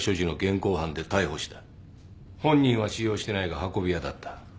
本人は使用してないが運び屋だった。